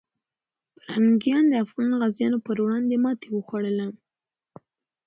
پرنګیان د افغان غازیو پر وړاندې ماتې وخوړله.